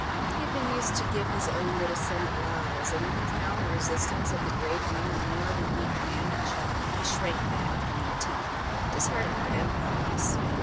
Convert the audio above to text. He had been used to " give his own little Senate laws," and when he found the resist ance of the great one more than he could manage, he shrank back from the attempt, disheartened and power less.